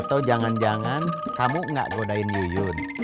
atau jangan jangan kamu nggak godain yuyun